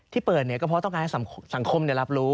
ที่เปิดก็เพราะต้องการให้สังคมรับรู้